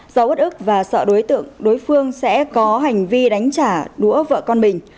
do út ức và sợ đối tượng đối phương sẽ có hành vi đánh trả đũa vợ con mình